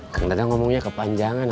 kang dadang ngomongnya kepanjangan